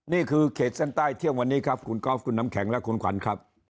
เขตเส้นใต้เที่ยงวันนี้ครับคุณกอล์ฟคุณน้ำแข็งและคุณขวัญครับ